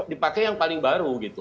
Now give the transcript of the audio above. dipakai yang paling baru gitu